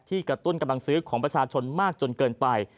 กระตุ้นกำลังซื้อของประชาชนมากจนเกินไป